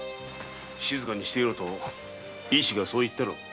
静かにしていろと医師がそう言ったろう。